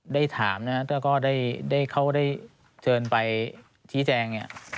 ได้ถามนะครับก็เขาได้เจินไปชี้แจงนี่